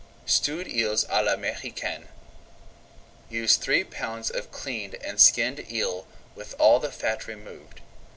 STEWED EELS À L'AMERICAINE Use three pounds of cleaned and skinned eel with all the fat removed.